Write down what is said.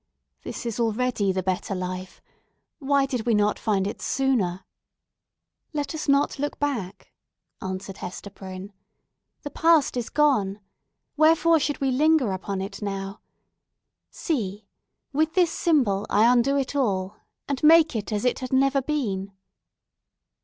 This is already the better life! Why did we not find it sooner?" "Let us not look back," answered Hester Prynne. "The past is gone! Wherefore should we linger upon it now? See! With this symbol I undo it all, and make it as if it had never been!"